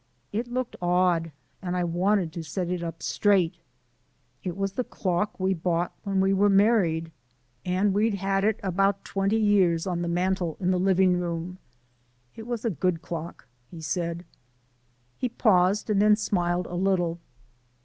It looked odd and I wanted to set it up straight. It was the clock we bought when we were married, and we'd had it about twenty years on the mantel in the livin' room. It was a good clock," he said. He paused and then smiled a little.